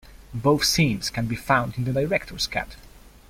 Both scenes can be found in the director's cut.